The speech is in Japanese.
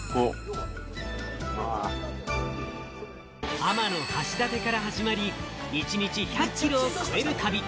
天橋立から始まり、一日１００キロを超える旅。